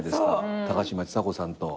高嶋ちさ子さんと。